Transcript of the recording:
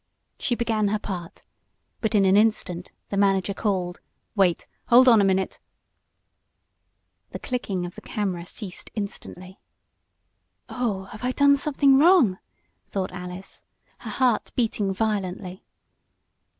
She began her part, but in an instant the manager called: "Wait. Hold on a minute!" The clicking of the camera ceased instantly. "Oh, have I done something wrong?" thought Alice, her heart beating violently.